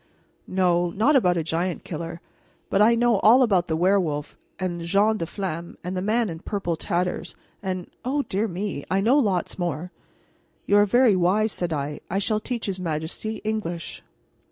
No, not about a giant killer, but I know all about the werewolf, and Jeanne la Flamme, and the Man in Purple Tatters, and O dear me, I know lots more." "You are very wise," said I. "I shall teach his majesty, English."